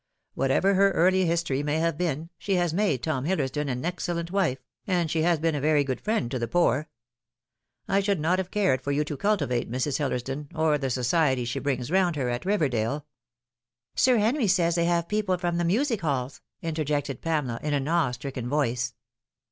Whatever her early history may have been, she has made Tom Hillersdon an excellent wife, and she has been a very good friend to the poor. I should not have cared for you to cultivate Mrs. Hillersdon, or the society she brings round her, at Riverdale "" Sir Henry says they have people from the music halls," interjected Pamela, in an awe stricken voice.